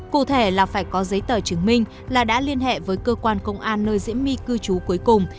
cụ thể là phải có giấy tờ chứng minh là đã liên hệ với cơ quan công an nơi diễm my cư trú cuối cùng